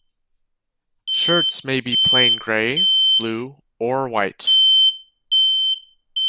Shirts may be plain grey, blue or white.